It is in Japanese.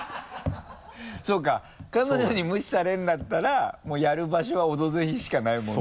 そうか彼女に無視されるんだったらもうやる場所は「オドぜひ」しかないもんね。